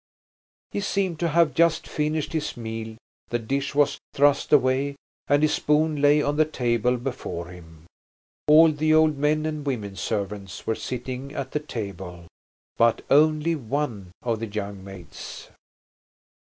He seemed to have just finished his meal, the dish was thrust away, and his spoon lay on the table before him. All the old men and women servants were sitting at the table, but only one of the young maids.